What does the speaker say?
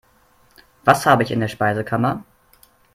Was habe ich in der Speisekammer?